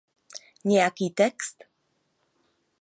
Nějaký text.